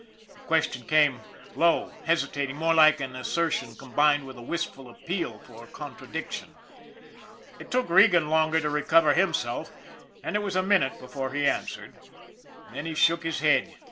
The question came low, hesitating more like an asser tion combined with a wistful appeal for contradiction. It took Regan longer to recover himself, and it was a minute before he answered. Then he shook his head.